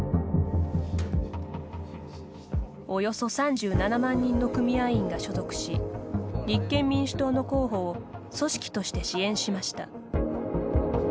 およそ３７万人の組合員が所属し立憲民主党の候補を組織として支援しました。